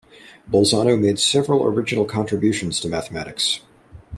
Bolzano made several original contributions to mathematics.